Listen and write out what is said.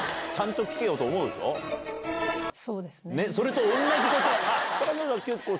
それと同じこと！